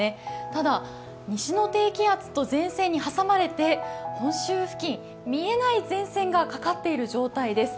ただ西の低気圧と前線に挟まれて本州付近、見えない前線がかかっている状況です。